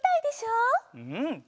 うん。